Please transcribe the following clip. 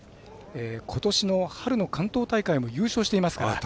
ことしの春の関東大会も優勝していますから。